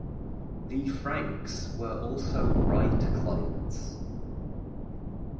The Franks were also Wright clients.